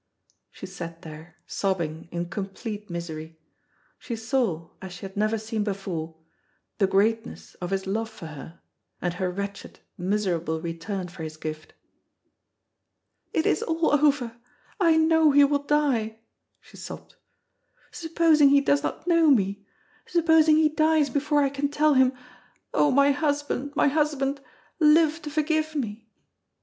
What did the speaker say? She sat there sobbing in complete misery. She saw, as she had never seen before, the greatness of his love for her, and her wretched, miserable return for his gift. "It is all over; I know he will die," she sobbed. "Supposing he does not know me supposing he dies before I can tell him. Oh, my husband, my husband, live to forgive me!"